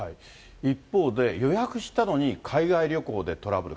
一方で、予約したのに、海外旅行でトラブル。